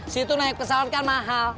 si itu naik pesawat kan mahal